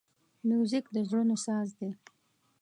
موزیک د زړونو ساز دی.